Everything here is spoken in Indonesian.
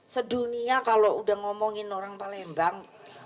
sedunia kalau udah ngomongin orang palembang